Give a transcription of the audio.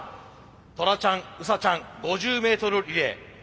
トラちゃんウサちゃん５０ｍリレー。